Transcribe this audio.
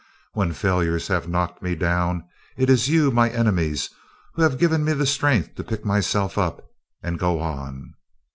When failures have knocked me down, it is you, my enemies, who have given me the strength to pick myself up and go on.